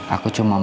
aku cuma mau bahas